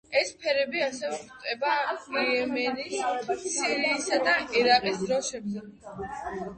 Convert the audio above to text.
ეს ფერები ასევე გვხვდება იემენის, სირიის და ერაყის დროშებზე.